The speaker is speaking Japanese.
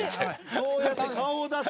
そうやって顔を出す。